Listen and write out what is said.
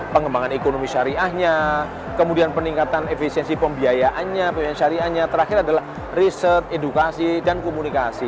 pengembangan ekonomi syariahnya kemudian peningkatan efisiensi pembiayaannya pembiayaan syariahnya terakhir adalah riset edukasi dan komunikasi